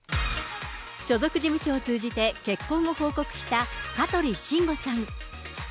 所属事務所を通じて結婚を報告した、香取慎吾さん。